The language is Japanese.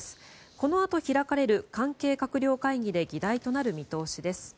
このあと開かれる関係閣僚会議で議題となる見通しです。